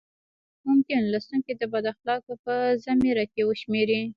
ممکن لوستونکي د بد اخلاقۍ په زمره کې وشمېري.